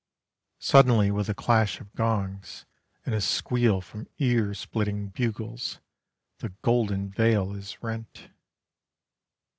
Suddenly with a clash of gongs, And a squeal from ear splitting bugles, The golden veil is rent.